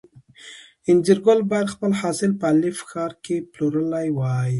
انځرګل باید خپل حاصل په الف ښار کې پلورلی وای.